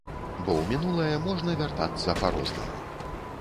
Бо ў мінулае можна вяртацца па-рознаму.